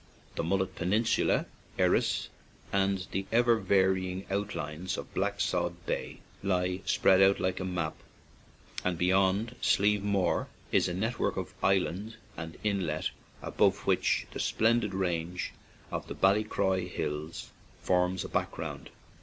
The Mullet pen insula, Erris, and the ever varying out lines of Blacksod Bay lie spread out like a map, and beyond Slievemore is a net work of island and inlet, above which the splendid range of the Ballycroy Hills forms a background.